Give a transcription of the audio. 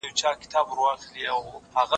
په سياست کي د قدرت پلي کول ډېر مهم دي.